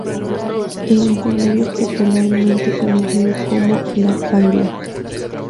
El escenario es popularmente conocido como "La paila".